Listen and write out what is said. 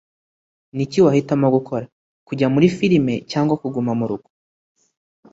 Niki wahitamo gukora, kujya muri firime cyangwa kuguma murugo?